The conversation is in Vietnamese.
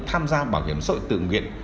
tham gia bảo hiểm xã hội tự nhiên